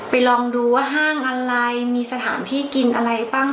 ลองดูว่าห้างอะไรมีสถานที่กินอะไรบ้าง